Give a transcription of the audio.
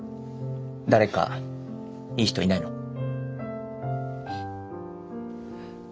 誰かいい人いないの？